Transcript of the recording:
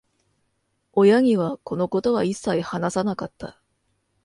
親には、このことは一切話さなかった。